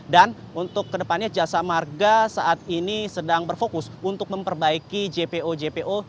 dan untuk kedepannya jasa marga saat ini sedang berfokus untuk memperbaiki jpo jpo